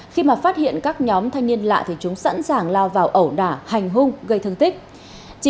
của các nhóm thanh niên lạ thì chúng sẵn sàng lao vào ẩu đả hành hung gây thương tích